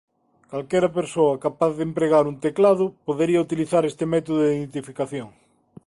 Calquera persoa capaz de empregar un teclado podería utilizar este método de identificación.